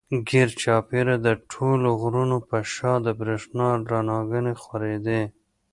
ګېر چاپېره د ټولو غرونو پۀ شا د برېښنا رڼاګانې خورېدې